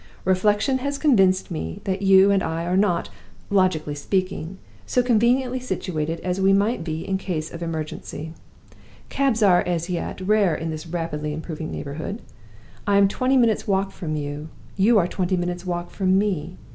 Reflection has convinced me that you and I are not (logically speaking) so conveniently situated as we might be in case of emergency. Cabs are, as yet, rare in this rapidly improving neighborhood. I am twenty minutes' walk from you; you are twenty minutes' walk from me.